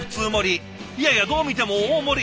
いやいやどう見ても大盛り。